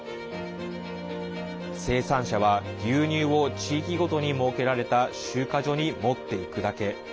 生産者は、牛乳を地域ごとに設けられた集荷所に持っていくだけ。